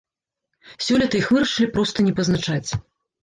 Сёлета іх вырашылі проста не пазначаць.